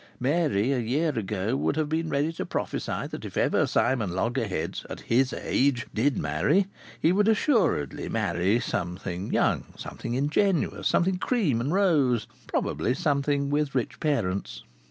Mary, a year ago, would have been ready to prophesy that if ever Simon Loggerheads at his age! did marry, he would assuredly marry something young, something ingenuous, something cream and rose, and probably something with rich parents.